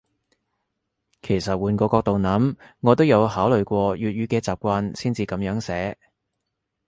其實換個角度諗，我都有考慮過粵語嘅習慣先至噉樣寫